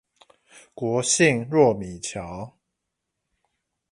國姓糯米橋